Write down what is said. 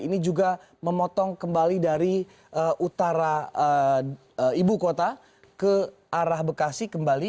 ini juga memotong kembali dari utara ibu kota ke arah bekasi kembali